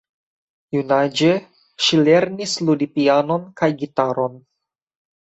Junaĝe ŝi lernis ludi pianon kaj gitaron.